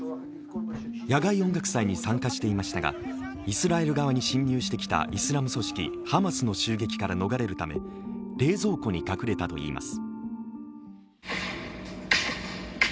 野外音楽祭に参加していましたがイスラエル側に侵入してきたイスラム組織ハマスの襲撃から逃れるために冷蔵庫に隠れたといいます。